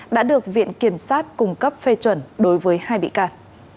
đã được viện kiểm sát cung cấp phê chuẩn đối với hai bị can